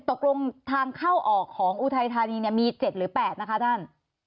ตกลงทางเข้าออกของอุทัยธานีมี๗หรือ๘นะคะท่าน